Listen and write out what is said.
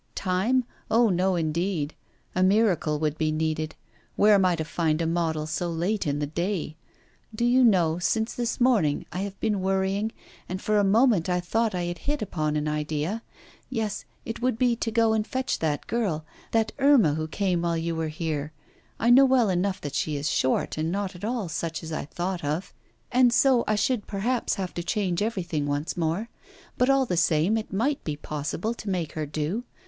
'Time? Oh! no indeed. A miracle would be needed. Where am I to find a model so late in the day? Do you know, since this morning I have been worrying, and for a moment I thought I had hit upon an idea: Yes, it would be to go and fetch that girl, that Irma who came while you were here. I know well enough that she is short and not at all such as I thought of, and so I should perhaps have to change everything once more; but all the same it might be possible to make her do.